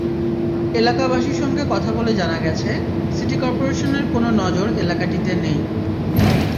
এলাকাবাসীর সঙ্গে কথা বলে জানা গেছে, সিটি করপোরেশনের কোনো নজর এলাকাটিতে নেই।